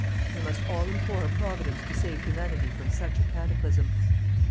We must all implore Providence to save Humanity from such a cataclysm.